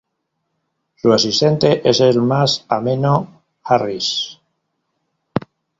Su asistente es el más ameno Harris.